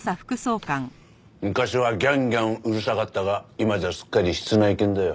昔はギャンギャンうるさかったが今じゃすっかり室内犬だよ。